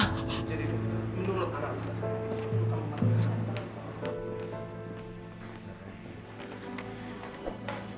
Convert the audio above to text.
menurut analisa saya